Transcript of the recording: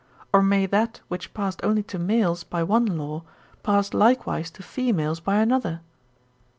Or may that which passed only to males by one law, pass likewise to females by another?